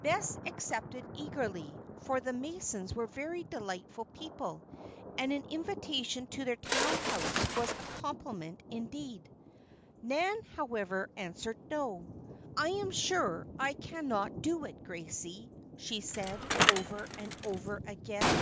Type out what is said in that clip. Bess accepted eagerly, for the Masons were very delightful people, and an invitation to their town house was a compliment indeed. Nan, however, answered no. "I am sure I cannot do it, Gracie," she said, over and over again.